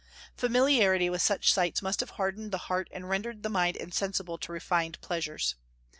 Familiarity with such sights must have hardened the heart and rendered the mind insensible to refined pleasures.